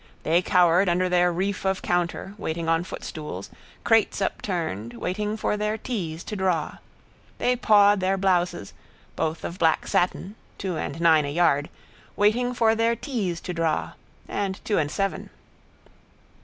They cowered under their reef of counter, waiting on footstools, crates upturned, waiting for their teas to draw. They pawed their blouses, both of black satin, two and nine a yard, waiting for their teas to draw, and two and seven.